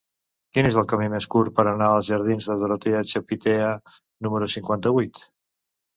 Quin és el camí més curt per anar als jardins de Dorotea Chopitea número cinquanta-vuit?